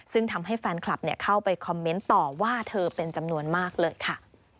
ซึ่งทำให้แฟนคลับเข้าไปคอมเมนต์ต่อว่าเธอเป็นจำนวนมากเลยค่ะ